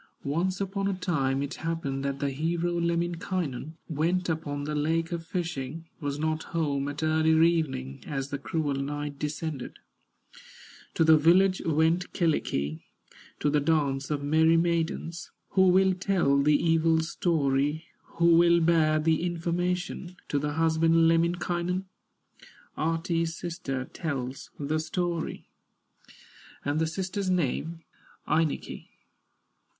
Once upon a time it happened That the hero, Lemminkainen, Went upon the lake a fishing, Was not home at early evening, As the cruel night descended; To the village went Kyllikki, To the dance of merry maidens. Who will tell the evil story, Who will bear the information To the husband, Lemminkainen? Ahti's sister tells the story, And the sister's name, Ainikki.